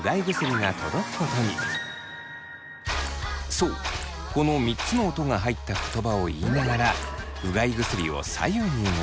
そうこの３つの音が入った言葉を言いながらうがい薬を左右に動かします。